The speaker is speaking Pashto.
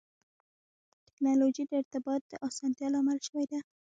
ټکنالوجي د ارتباط د اسانتیا لامل شوې ده.